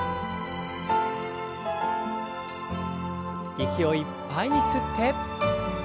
息をいっぱいに吸って。